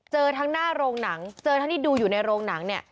เจอทั้งหน้าโรงหนังเจอทั้งที่ดูอยู่ในโรงหนังเนี่ย